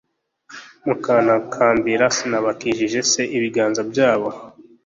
mukantakambira, sinabakijije se ibiganza byabo